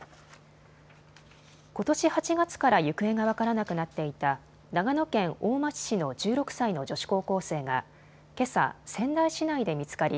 ことし８月から行方が分からなくなっていた長野県大町市の１６歳の女子高校生がけさ仙台市内で見つかり